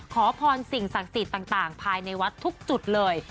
ขอพรสิ่งศักดิ์สิทธิ์ต่างภายในวัดทุกจุดเลย